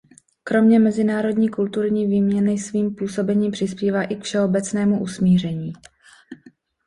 Kromě mezinárodní kulturní výměny svým působením přispívá i k všeobecnému usmíření.